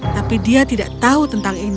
tapi dia tidak tahu tentang ini